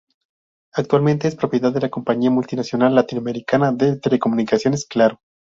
Actualmente es propiedad de la compañía multinacional latinoamericana de telecomunicaciones Claro.